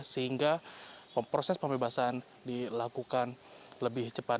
sehingga proses pembebasan dilakukan lebih cepat